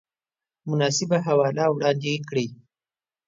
مناسبه حواله وړاندې کړئ